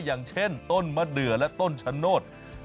อย่างเช่นต้นมะเดือและต้นชะโนธ